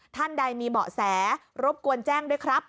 ท่านใดมีเบาะแสรบกวนแจ้งด้วยครับ